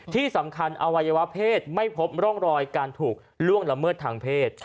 ที่สำคัญอวัยวะเพศไม่พบร่องรอยการถูกล่วงละเมิดทางเพศ